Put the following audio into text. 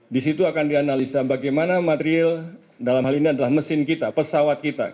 di situ akan dianalisa bagaimana material dalam hal ini adalah mesin kita pesawat kita